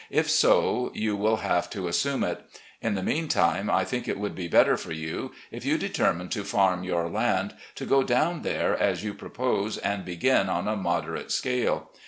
If so, you will have to assume it. In the meantime, I think it would be better for you, if you determine to farm your land, to go down there as you propose and begin on a moderate scale.